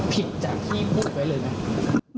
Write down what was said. ผิดจากที่พูดไว้เลยไหม